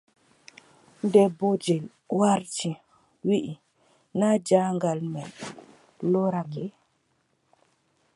Nde bojel warti, wii, naa jahaangal men lorake?